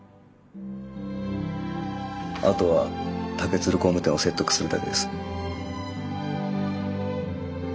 あとは竹鶴工務店を説得するだけです。